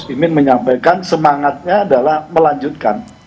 mas uda ingin menyampaikan semangatnya adalah melanjutkan